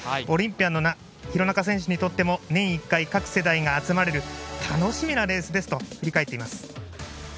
オリンピアン廣中選手にとっても年１回、各世代が集まれる楽しみなレースですと振り返っています。